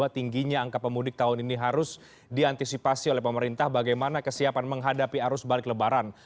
tingginya angka pemudik tahun ini harus diantisipasi oleh pemerintah bagaimana kesiapan menghadapi arus balik lebaran